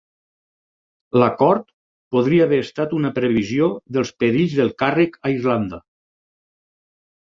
L'acord podria haver estat una previsió dels perills del càrrec a Irlanda.